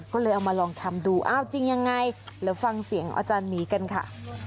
ก็เลยเอามาลองทำดูอ้าวจริงยังไงเดี๋ยวฟังเสียงอาจารย์หมีกันค่ะ